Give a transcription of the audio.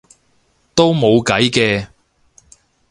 都冇計嘅